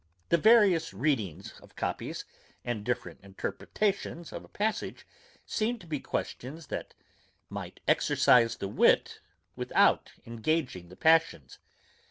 The various readings of copies, and different interpretations of a passage, seem to be questions that might exercise the wit, without engaging the passions.